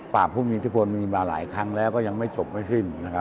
ปราบผู้มิติฟนมีมาหลายครั้งแล้วก็ยังไม่จบไม่ขึ้น